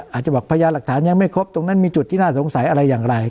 อาจจะบอกพยานหลักฐานยังไม่ครบตรงนั้นมีจุดที่น่าสงสัยอะไรอย่างไร